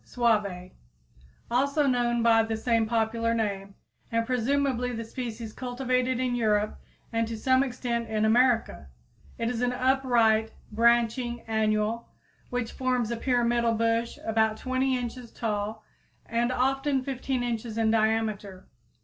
suave_, also known by the same popular name, and presumably the species cultivated in Europe and to some extent in America. It is an upright, branching annual, which forms a pyramidal bush about 20 inches tall and often 15 inches in diameter.